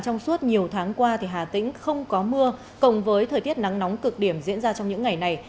trong suốt nhiều tháng qua hà tĩnh không có mưa cộng với thời tiết nắng nóng cực điểm diễn ra trong những ngày này